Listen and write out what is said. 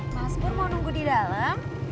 mas bur mau nunggu di dalam